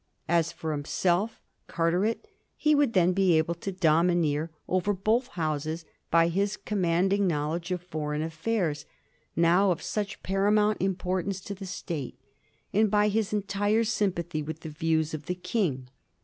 As for himself, Carteret, he would then be able to domineer over both Houses by his commanding knowledge of foreign affairs, now of such paramount importance to the State, and by his entire sympathy with the views of the King.